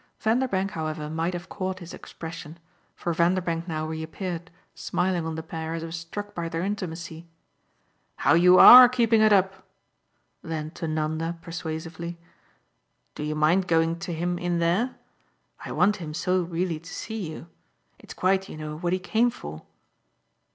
Vanderbank, however, might have caught his expression, for Vanderbank now reappeared, smiling on the pair as if struck by their intimacy. "How you ARE keeping it up!" Then to Nanda persuasively: "Do you mind going to him in there? I want him so really to see you. It's quite, you know, what he came for."